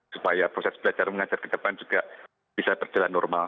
supaya proses belajar mengajar ke depan juga bisa berjalan normal